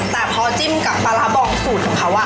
แต่พอจิ้มกับปลาร้าบองสูตรของเขา